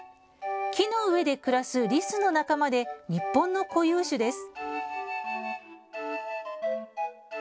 木の上で暮らすリスの仲間で日本の固有種です。